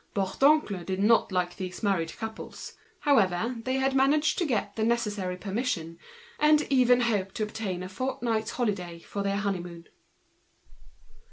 Bourdoncle did not like these married couples; they had managed, however, to get the necessary permission, and even hoped to obtain a fortnight's holiday for their honeymoon.